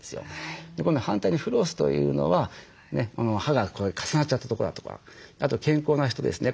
今度反対にフロスというのは歯がこう重なっちゃった所だとかあと健康な人ですね。